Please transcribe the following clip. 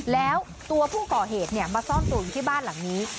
แล้วตัวผู้ก่อเหตุมาซ่อนตัวอยู่ที่บ้านหลังนี้